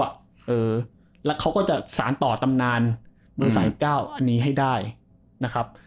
เออแล้วเขาก็จะสารต่อตำนานมือสายเก้าอันนี้ให้ได้นะครับ